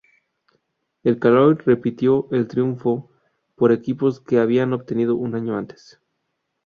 El Caloi, repitió el triunfo por equipos que había obtenido un año antes.